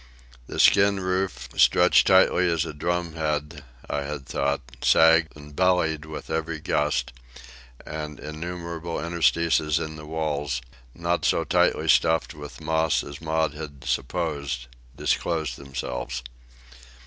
The skin roof, stretched tightly as a drumhead, I had thought, sagged and bellied with every gust; and innumerable interstices in the walls, not so tightly stuffed with moss as Maud had supposed, disclosed themselves.